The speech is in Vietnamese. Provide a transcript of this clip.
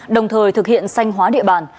đồng thời thực hiện sanh hóa địa bàn